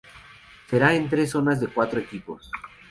Será en tres zonas de cuatro equipos.